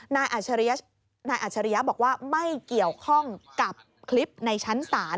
นายอัชริยะบอกว่าไม่เกี่ยวข้องกับคลิปในชั้นศาล